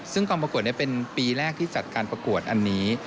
ซึ่งกองประกวดนี้เป็นปีแรกที่จัดการประกวดอันนี้